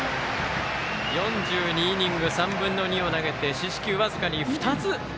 ４２イニング、３分の２を投げて四死球僅かに２つ。